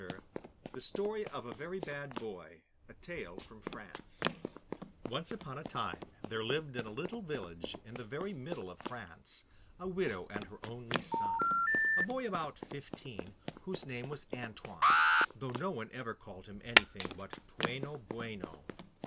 The Story of a Very Bad Boy Once upon a time there lived in a little village in the very middle of France a widow and her only son, a boy about fifteen, whose name was Antoine, though no one ever called him anything but Toueno Boueno.